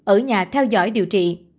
ở nhà theo dõi điều trị